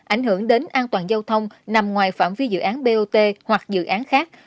ảnh hưởng đến an toàn giao thông nằm ngoài phạm vi dự án bot hoặc dự án khác